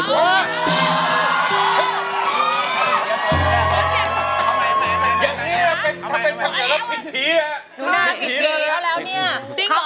ที่มีแฟนมาก่อน